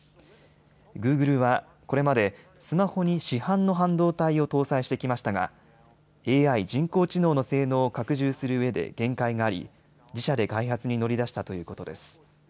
グーグルはこれまでスマホに市販の半導体を搭載してきましたがＡＩ・人工知能の性能を拡充するうえで限界があり自社で開発に乗り出したということです。